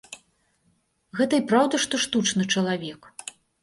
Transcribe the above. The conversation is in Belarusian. Гэта й праўда, што штучны чалавек.